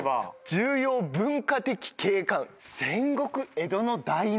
「重要文化的景観」「戦国・江戸の大名？！」。